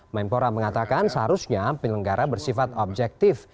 menpora mengatakan seharusnya penyelenggara bersifat objektif